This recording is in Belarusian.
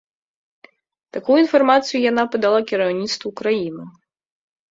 Такую інфармацыю яна падала кіраўніцтву краіны.